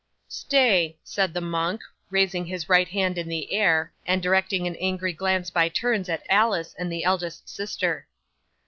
'"Stay!" said the monk, raising his right hand in the air, and directing an angry glance by turns at Alice and the eldest sister.